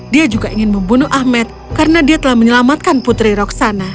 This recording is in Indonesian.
dia juga ingin membunuh ahmed karena dia telah menyelamatkan putri roksana